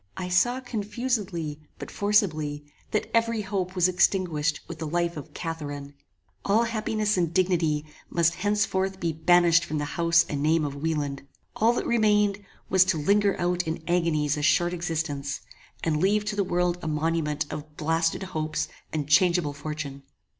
I saw confusedly, but forcibly, that every hope was extinguished with the life of CATHARINE. All happiness and dignity must henceforth be banished from the house and name of Wieland: all that remained was to linger out in agonies a short existence; and leave to the world a monument of blasted hopes and changeable fortune.